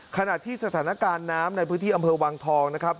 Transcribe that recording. ขณะที่สถานการณ์น้ำในพื้นที่อำเภอวังทองนะครับ